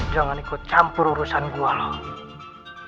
jangan ikut campur urusan gue loh